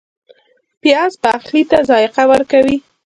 پیاز پخلی ته ذایقه ورکوي